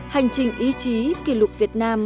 hành trình ý chí kỷ lục việt nam